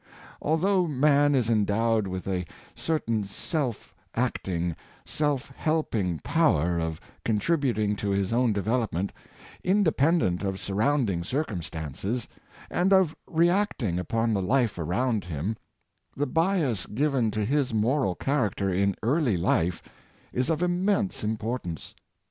Although man is endowed with a certain self acting, self helping power of contributing to his own development, independent of surrounding cir cumstances, and of reacting upon the life around him, the bias given to his moral character in early life is of immense importance.